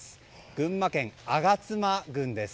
群馬県吾妻郡です。